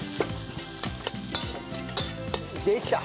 できた。